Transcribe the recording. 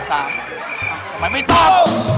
เอาไว้ไม่ตอบ